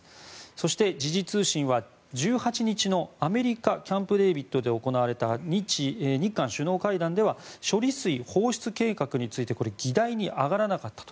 そして、時事通信は１８日のアメリカ・キャンプデービッドで行われた日韓首脳会談では処理水放出計画についてこれ、議題に挙がらなかったと。